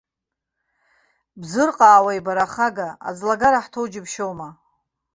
Бзырҟаауеи, бара ахага, аӡлагара ҳҭоу џьыбшьома?!